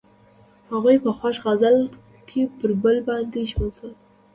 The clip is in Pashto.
هغوی په خوښ غزل کې پر بل باندې ژمن شول.